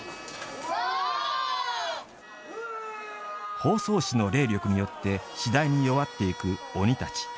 方相氏の霊力によって次第に弱っていく鬼たち。